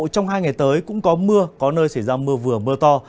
trong hai ngày tới cũng có mưa có nơi xảy ra mưa vừa mưa to